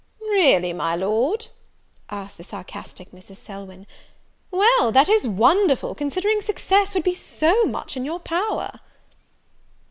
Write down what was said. "Really, my Lord?" asked the sarcastic Mrs. Selwyn; "well, that is wonderful, considering success would be so much in your power."